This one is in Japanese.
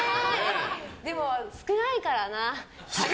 でも、少ないからな。